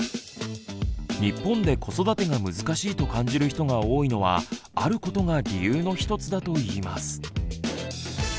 日本で子育てが難しいと感じる人が多いのはあることが理由の一つだといいます。